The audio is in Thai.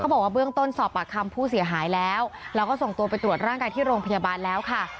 บอกว่าเบื้องต้นสอบปากคำผู้เสียหายแล้วแล้วก็ส่งตัวไปตรวจร่างกายที่โรงพยาบาลแล้วค่ะ